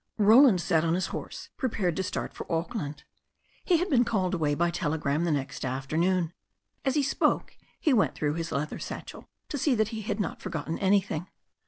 Roland sat on his horse prepared to start for Auckland. He had been called away by telegram the next afternoon. As he spoke he went through his leather satchel to see that he had not forgotten anything.